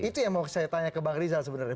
itu yang mau saya tanya ke bang rizal sebenarnya